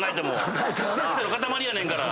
不摂生の塊やねんから。